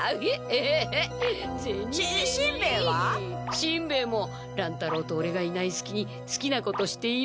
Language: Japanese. しんべヱも乱太郎とオレがいないすきにすきなことしている。